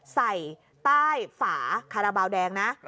ใส่ใต้ฝาคาราบาลแดงนะ